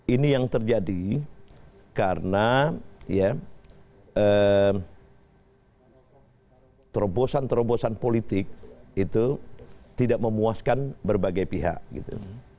ini yang terjadi karena ya terobosan terobosan politik itu tidak memuaskan berbagai pihak gitu